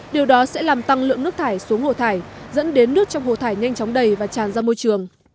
điều đó sẽ làm tăng lượng nước thải xuống hồ thải dẫn đến nước trong hồ thải nhanh chóng đầy và tràn ra môi trường